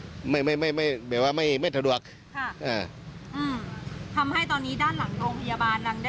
ทำให้ตอนนี้ด้านหลังโรงพยาบาลนั้นได้รับผลประทบ